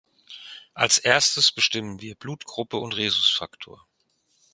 Als Erstes bestimmen wir Blutgruppe und Rhesusfaktor.